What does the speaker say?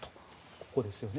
ここですね。